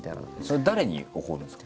それ誰に怒るんですか？